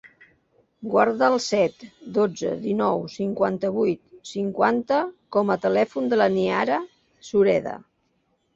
Guarda el set, dotze, dinou, cinquanta-vuit, cinquanta com a telèfon de la Naiara Sureda.